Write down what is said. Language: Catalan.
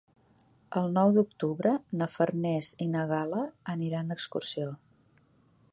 El nou d'octubre na Farners i na Gal·la aniran d'excursió.